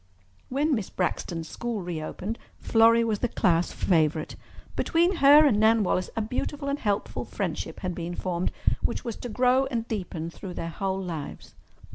When Miss Braxton's school reopened Florrie was the class favourite. Between her and Nan Wallace a beautiful and helpful friendship had been formed which was to grow and deepen through their whole lives.